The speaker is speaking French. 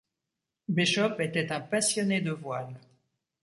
Bishop était un passionné de voile.